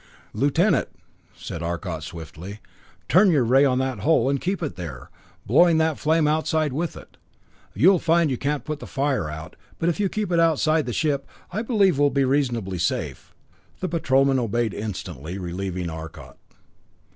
"Lieutenant," said Arcot, swiftly, "turn your ray on that hole, and keep it there, blowing that flame outside with it. You'll find you can't put the fire out, but if you keep it outside the ship, I believe we'll be reasonably safe." The Patrolman obeyed instantly, relieving Arcot.